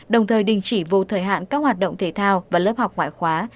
đồng thời đình chỉ vô thời hạn các hoạt động thể thao và lớp học ngoại khóa